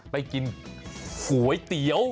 ไปกินก๋วยเตี๋ยว